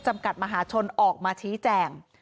จำกัดมหาชนออกมาชี้แจง